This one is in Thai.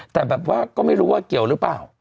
แต่แบบว่าก็ไม่รู้ว่าเกี่ยวหรือเปล่า